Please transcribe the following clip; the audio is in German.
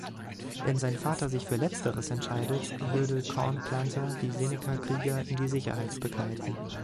Wenn sein Vater sich für Letzteres entscheidet, würde Cornplanter die Seneca-Krieger in die Sicherheit begleiten.